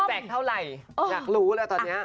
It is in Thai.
เท่าไหร่อยากรู้แล้วตอนนี้